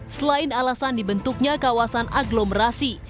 selain alasan dibentuknya kawasan aglomerasi